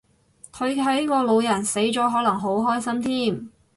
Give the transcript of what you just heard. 佢睇個老人死咗可能好開心添